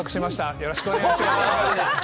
よろしくお願いします。